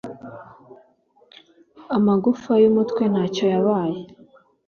amagufa y’umutwe ntacyo yabaye